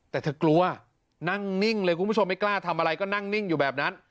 แต่เธอกลัวนั่งนิ่งเลยคุณผู้ชมไม่กล้าทำอะไรก็นั่งนิ่งอยู่แบบนั้น